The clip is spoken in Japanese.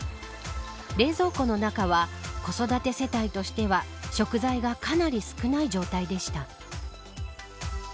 冷蔵庫の中は子育て世帯としては食材がかなり少ない状態でした。